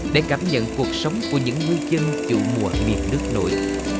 để cảm nhận cuộc sống của những ngư dân chủ mùa miền nước nổi